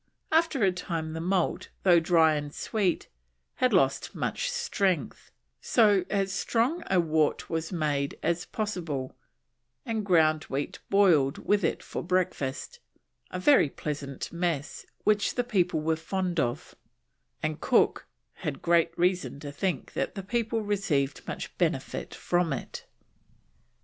After a time the malt, though dry and sweet, had lost much strength, so as strong a wort was made as possible, and ground wheat boiled with it for breakfast, "a very pleasant mess which the people were very fond of," and Cook "had great reason to think that the people received much benefit from it."